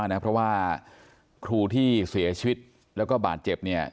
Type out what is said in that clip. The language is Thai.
คือครูที่เสียชีวิตและบาดเจ็บ